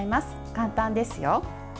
簡単ですよ。